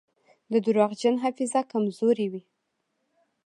د درواغجن حافظه کمزورې وي.